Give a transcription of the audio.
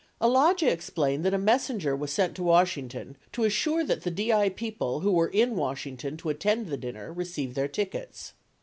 68 Alagia explained that a messenger was sent to Washington to assure that the DI people who were in Washington to attend the dinner received their tickets.